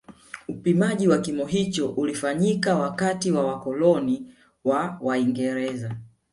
Upimaji wa kimo hicho ulifanyika wakati wa wakoloni wa waingereza